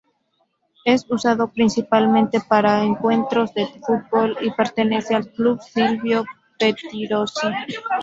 Es usado principalmente para encuentros de fútbol y pertenece al Club Silvio Pettirossi.